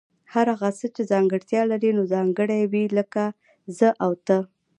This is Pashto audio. هر هغه څه چي ځانګړتیا لري نو ځانګړي وي لکه زه او ته